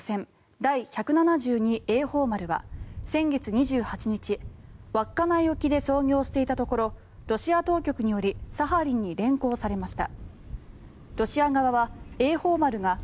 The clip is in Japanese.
「第１７２栄宝丸」は先月２８日、稚内沖で操業していたところロシア当局によりサハリンに連行されました。